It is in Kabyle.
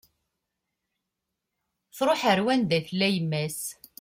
Truḥ ar wanda i tella yemma-s